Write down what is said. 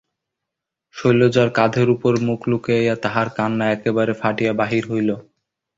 শৈলজার কাঁধের উপর মুখ লুকাইয়া তাহার কান্না একেবারে ফাটিয়া বাহির হইল।